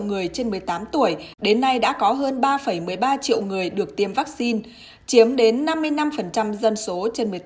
người trên một mươi tám tuổi đến nay đã có hơn ba một mươi ba triệu người được tiêm vaccine chiếm đến năm mươi năm dân số trên